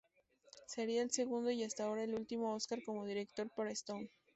Sería el segundo y hasta ahora último Óscar como director para Stone.